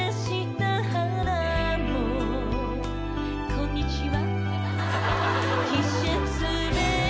こんにちは。